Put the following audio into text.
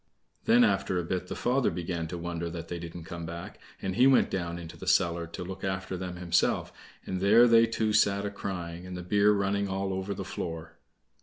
Then after a bit the father began to wonder that they didn't come back, and he went down into the cellar to look after them himself, and there they two sat a crying, and the beer running all over the floor.